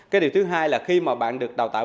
cái điều thứ hai là khi mà bạn được đào tạo